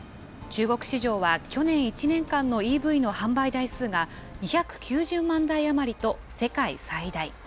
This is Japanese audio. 中国市場は去年１年間のＥＶの販売台数が、２９０万台余りと世界最大。